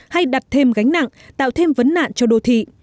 hay đặt thêm gánh nặng tạo thêm vấn nạn cho đô thị